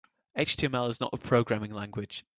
HTML is not a programming language.